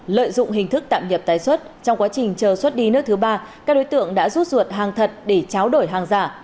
lợi dụng hình thức tạm nhập tái xuất trong quá trình chờ xuất đi nước thứ ba các đối tượng đã rút ruột hàng thật để tráo đổi hàng giả